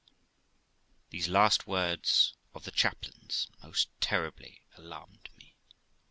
These last words of the chaplain's most terribly alarmed me.